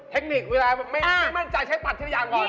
เทคนิคด้วยเลยไม่มั่นใจจะตัดทันอย่างก่อนอ้าว